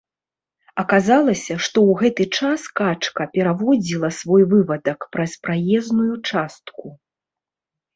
Аказалася, што ў гэты час качка пераводзіла свой вывадак праз праезную частку.